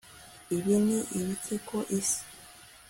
ibi ni ibiki ku isi